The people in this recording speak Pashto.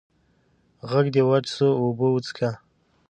ږغ دي وچ سو، اوبه وڅيښه!